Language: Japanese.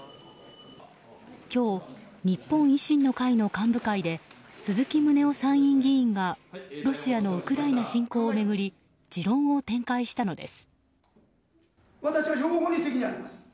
今日、日本維新の会の幹部会で鈴木宗男参院議員がロシアのウクライナ侵攻を巡り持論を展開したのです。